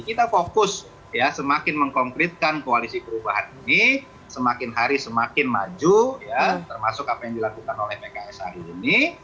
kita fokus ya semakin mengkonkretkan koalisi perubahan ini semakin hari semakin maju ya termasuk apa yang dilakukan oleh pks hari ini